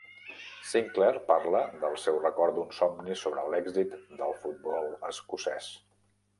Sinclair parla del seu record d'un somni sobre l'èxit del futbol escocès.